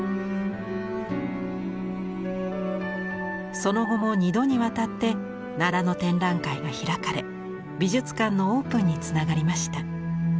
その後も２度にわたって奈良の展覧会が開かれ美術館のオープンにつながりました。